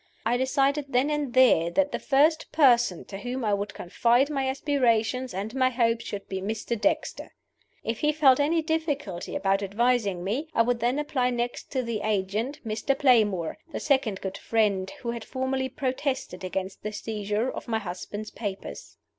I decided then and there that the first person to whom I would confide my aspirations and my hopes should be Mr. Dexter. If he felt any difficulty about advising me, I would then apply next to the agent, Mr. Playmore the second good friend, who had formally protested against the seizure of my husband's papers.